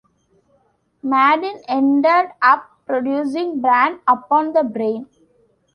Maddin ended up producing Brand Upon the Brain!